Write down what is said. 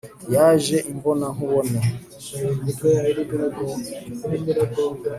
yaje imbona nkubone